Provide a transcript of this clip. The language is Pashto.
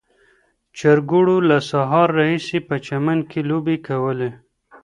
چرګوړو له سهار راهیسې په چمن کې لوبې کولې.